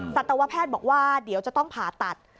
สัตวแพทย์บอกว่าเดี๋ยวจะต้องผ่าตัด